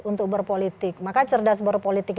untuk berpolitik maka cerdas berpolitik